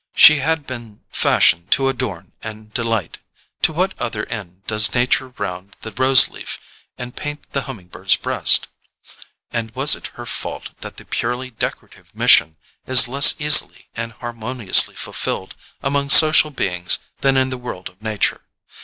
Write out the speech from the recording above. She had been fashioned to adorn and delight; to what other end does nature round the rose leaf and paint the humming bird's breast? And was it her fault that the purely decorative mission is less easily and harmoniously fulfilled among social beings than in the world of nature?